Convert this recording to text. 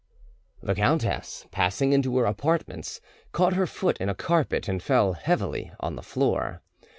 The countess, passing into her apartments, caught her foot in a carpet, and fell heavily on the floor.